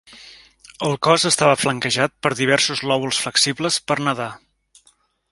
El cos estava flanquejat per diversos lòbuls flexibles per nedar.